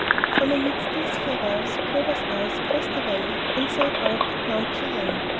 From the midst of these farewells Clover's eyes crossed the valley and sought out Mount Cheyenne.